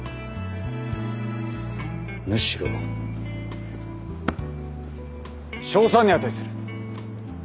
むしろ称賛に値する。